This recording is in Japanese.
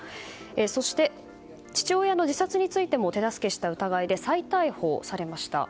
そして、父親の自殺についても手助けした疑いで再逮捕されました。